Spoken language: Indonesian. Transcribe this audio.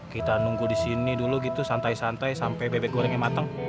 kita nunggu di sini dulu gitu santai santai sampai bebek gorengnya matang